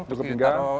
untuk ke pinggang